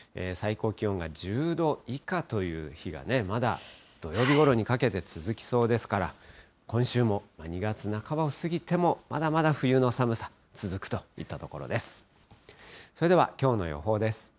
最高気温が１０度以下という日がまだ土曜日ごろにかけて続きそうですから、今週も２月半ばを過ぎても、まだまだ冬の寒さ続くといったところです。